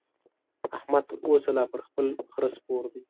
احمد تر اوسه لا پر خپل خره سپور دی.